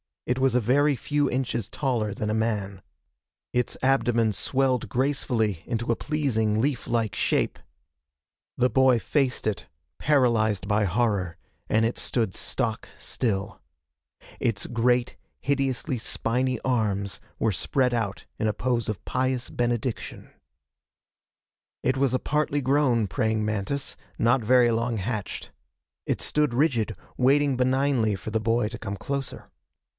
It was a very few inches taller than a man. Its abdomen swelled gracefully into a pleasing, leaf like shape. The boy faced it, paralyzed by horror, and it stood stock still. Its great, hideously spiny arms were spread out in a pose of pious benediction. [Illustration: "The boy faced it, paralyzed by horror."] It was a partly grown praying mantis, not very long hatched. It stood rigid, waiting benignly for the boy to come closer.